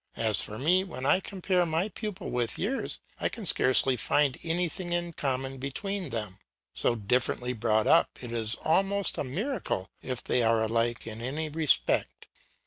As for me, when I compare my pupil with yours, I can scarcely find anything in common between them. So differently brought up, it is almost a miracle if they are alike in any respect.